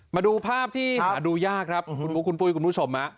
มาดูภาพที่หาดูยากครับคุณบุ๊คคุณปุ้ยคุณผู้ชม